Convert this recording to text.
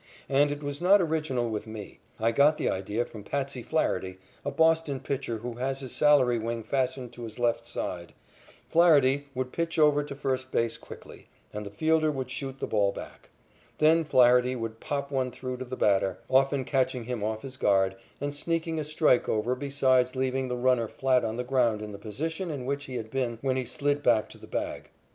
And it was not original with me. I got the idea from "Patsy" Flaherty, a Boston pitcher who has his salary wing fastened to his left side. Flaherty would pitch over to first base quickly, and the fielder would shoot the ball back. Then Flaherty would pop one through to the batter, often catching him off his guard, and sneaking a strike over besides leaving the runner flat on the ground in the position in which he had been when he slid back to the bag.